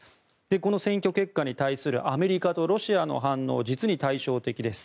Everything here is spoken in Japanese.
この選挙結果に対するアメリカ、ロシアの反応は実に対照的です。